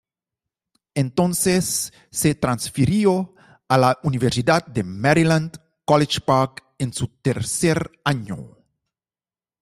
Entonces se transfirió a la Universidad de Maryland, College Park, en su tercer año.